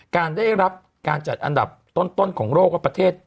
การได้รับการจัดอันดับต้นของโลกว่าประเทศ